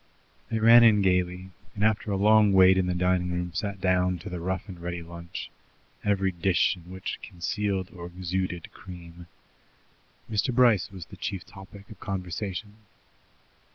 They ran in gaily, and after a long wait in the drawing room sat down to the rough and ready lunch, every dish in which concealed or exuded cream. Mr. Bryce was the chief topic of conversation.